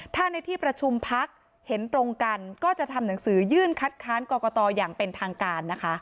ถ้าในที่ประชุมพักเห็นตรงกันก็จะทำหนังสือยื่นคัดค้านกรกตอย่างเป็นทางการนะคะ